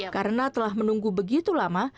karena telah menunggu begitu lama